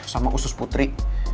sama usus putri